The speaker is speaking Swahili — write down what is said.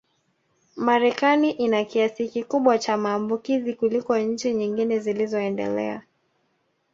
Marekani ina kiasi kikubwa cha maambukizi kuliko nchi nyingine zilizoendelea